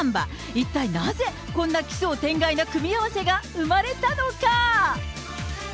一体なぜ、こんな奇想天外な組み合わせが生まれたのか？